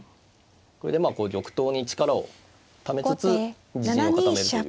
これでまあ玉頭に力をためつつ自陣を固めるという。